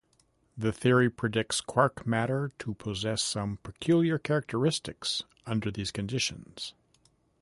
The theory predicts quark matter to possess some peculiar characteristics under these conditions.